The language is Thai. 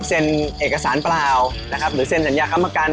เซ็นเอกสารเปล่านะครับหรือเซ็นสัญญาค้ำประกัน